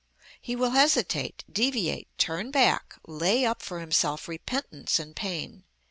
He will hesitate, deviate, turn back, lay up for himself repentance and pain.